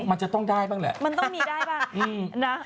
มันจะต้องได้บ้างแหละมันต้องมีได้บ้างนะ